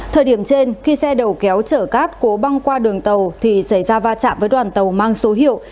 thời điểm trên khi xe đầu kéo chở cát cố băng qua đường tàu thì xảy ra va chạm với đoàn tàu mang số hiệu